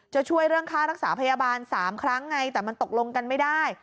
จะช่วยเรื่องค่ารักษาพยาบาล๓ครั้งไงแต่มันตกลงกันไม่ได้